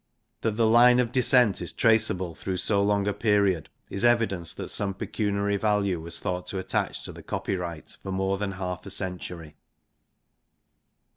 That the line of descent is traceable through so long a period, is evidence that some pecuniary value was thought to attach to the copyright for more than half a century.